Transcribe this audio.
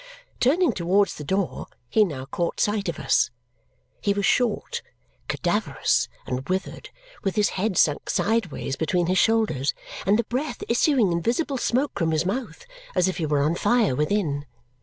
Turning towards the door, he now caught sight of us. He was short, cadaverous, and withered, with his head sunk sideways between his shoulders and the breath issuing in visible smoke from his mouth as if he were on fire within.